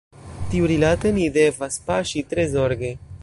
Tiurilate ni devas paŝi tre zorge.